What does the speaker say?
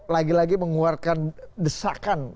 lagi lagi mengeluarkan desakan